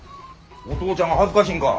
お父ちゃんが恥ずかしいんか。